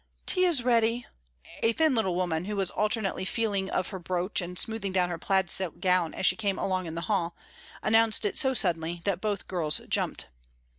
"Tea is ready." A thin little woman, who was alternately feeling of her brooch and smoothing down her plaid silk gown as she came along the hall, announced it so suddenly that both girls jumped.